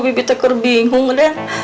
bibi terlalu bingung den